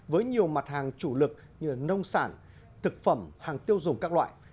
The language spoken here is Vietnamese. với nhiều mặt hàng chủ lực như nông sản thực phẩm hàng tiêu dùng các loại